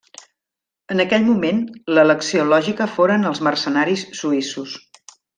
En aquell moment, l'elecció lògica foren els mercenaris suïssos.